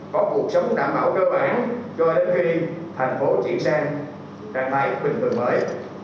có cuộc sống đảm bảo cơ bản cho đến khi thành phố triển sang trạng thái bình thường mới